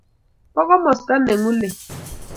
bo komosta ne ngulei